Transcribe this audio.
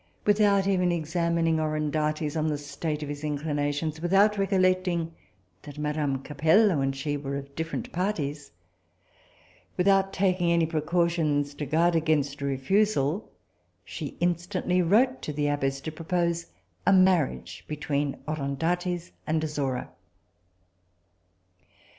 Without even examining Orondates on the state of his inclinations, without recollecting that madame Capello and she were of different parties, without taking any precautions to guard against a refusal, she instantly wrote to the abbess to propose a marriage between Orondates and Azora.